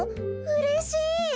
うれしい！